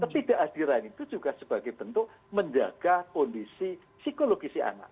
tetapi kehadiran itu juga sebagai bentuk menjaga kondisi psikologisi anak